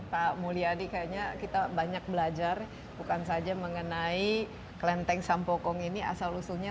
pak mulyadi kayaknya kita banyak belajar bukan saja mengenai kelenteng sampokong ini asal usulnya